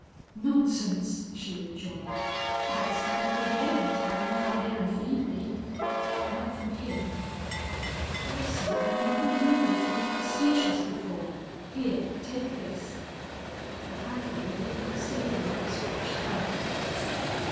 "Nonsense!" she rejoined. "I'd stand it again to have you come here and feed me.... But not from him." "Wilson, I never knew you to be facetious before. Here, take this." Apparently he did not see her outstretched hand.